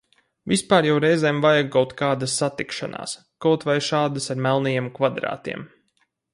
Vispār jau reizēm vajag kaut kādas satikšanās, kaut vai šādas ar melnajiem kvadrātiem.